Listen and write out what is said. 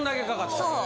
そう。